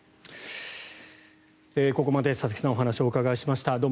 ここまで、佐々木さんにお話をお伺いしました。